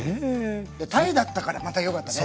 鯛だったからまたよかったね。